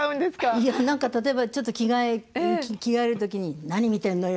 いや何か例えばちょっと着替える時に「何見てんのよ！